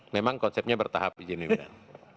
memang konsepnya bertahap ijin pimpinan